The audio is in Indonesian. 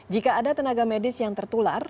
jika ada tenaga medis yang tertular